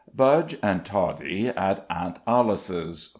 BUDGE AND TODDIE AT AUNT ALICE'S.